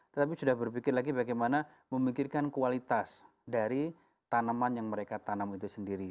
tetapi sudah berpikir lagi bagaimana memikirkan kualitas dari tanaman yang mereka tanam itu sendiri